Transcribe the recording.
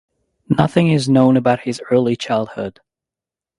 Nothing is known about his early childhood.